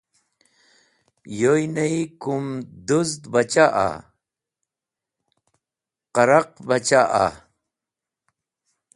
Yoy ney kum dũzdbachaha a,qaraqbachah a?